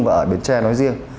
và ở biển tre nói riêng